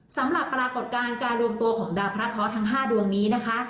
สำหรับปรากฏการณ์การรวมตัวของดาวพระเคาะทั้ง๕ดวงนี้นะคะ